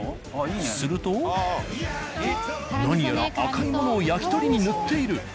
すると何やら赤いものをやきとりに塗っている。